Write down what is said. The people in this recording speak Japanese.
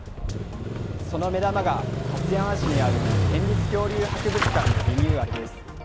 その目玉が勝山市にある県立恐竜博物館のリニューアルです。